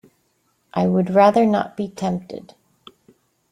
I would rather not be tempted.